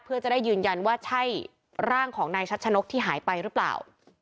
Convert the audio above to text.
เพื่อจะได้ยืนยันว่าใช่ร่างของนายชัชนกที่หายไปหรือเปล่า